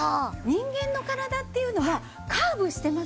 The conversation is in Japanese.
人間の体っていうのはカーブしてますよね。